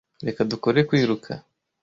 Reka dukore kwiruka.